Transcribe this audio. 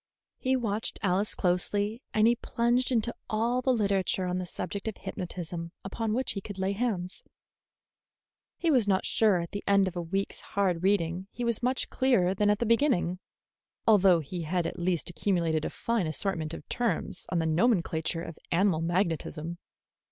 He watched Alice closely, and he plunged into all the literature on the subject of hypnotism upon which he could lay hands. He was not sure that at the end of a week's hard reading he was much clearer than at the beginning, although he had at least accumulated a fine assortment of terms in the nomenclature of animal magnetism.